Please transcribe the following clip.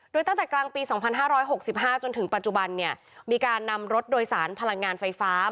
โดยตั้งแต่กลางปี๒๕๖๕จนถึงปัจจุบันเนี่ยมีการนำรถโดยสารพลังงานไฟฟ้า